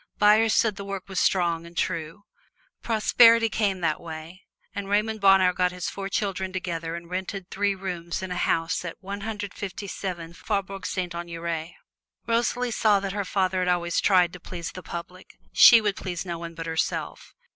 Buyers said the work was strong and true. Prosperity came that way, and Raymond Bonheur got his four children together and rented three rooms in a house at One Hundred Fifty seven Faubourg Saint Honore. Rosalie saw that her father had always tried to please the public; she would please no one but herself.